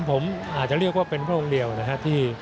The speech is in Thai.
ผมอาจจะเรียกว่าเป็นพระองค์เดียวนะครับ